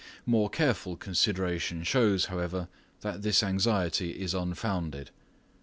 More careful consideration shows, however, that this anxiety is unfounded.